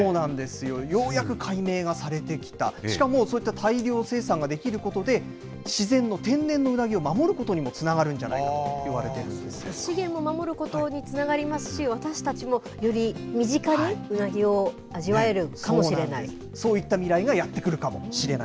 ようやく解明がされてきた、しかもそういった大量生産ができることで、自然の天然のウナギを守ることにもつながるんじゃないかと資源も守ることにつながりますし、私たちもより身近にウナギを味わえるかもしれない？